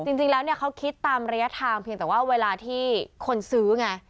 จริงแล้วเนี่ยเขาคิดตามระยะทางเพียงแต่ว่าเวลาที่คนซื้อไง